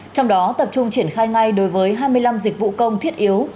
trong đó tập trung triển khai ngay đối với hai mươi năm dịch vụ công thiết yếu